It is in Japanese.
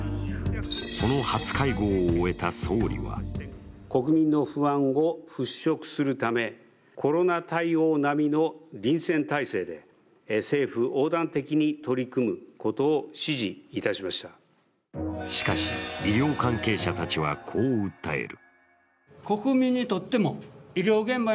その初会合を終えた総理はしかし、医療関係者たちはこう訴える。